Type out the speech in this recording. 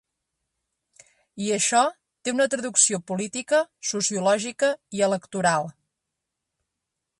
I això té una traducció política, sociològica i electoral.